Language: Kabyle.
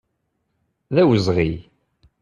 D awezɣi!